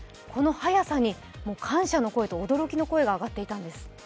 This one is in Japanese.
この速さに感謝の声と驚きの声が上がっていたんです。